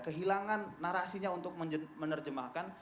kehilangan narasinya untuk menerjemahkan